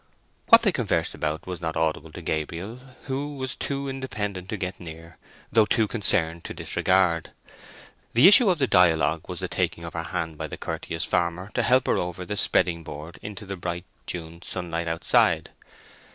What they conversed about was not audible to Gabriel, who was too independent to get near, though too concerned to disregard. The issue of their dialogue was the taking of her hand by the courteous farmer to help her over the spreading board into the bright June sunlight outside.